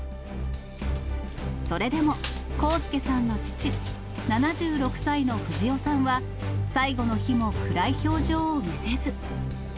それでも、康介さんの父、７６歳の富士男さんは、最後の日も暗い表情を見せず。